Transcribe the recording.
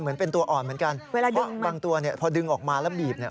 เหมือนเป็นตัวอ่อนเหมือนกันเพราะบางตัวเนี่ยพอดึงออกมาแล้วบีบเนี่ย